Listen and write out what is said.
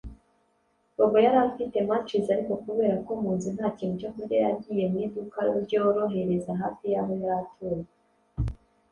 Bobo yari afite munchies ariko kubera ko mu nzu nta kintu cyo kurya yagiye mu iduka ryorohereza hafi yaho yari atuye